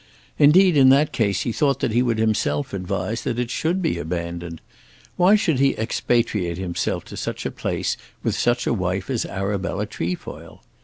Indeed in that case he thought that he would himself advise that it should be abandoned. Why should he expatriate himself to such a place with such a wife as Arabella Trefoil?